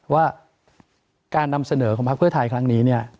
ว่าการนำเสนอของพักเพื่อไทยครั้งนี้เนี่ย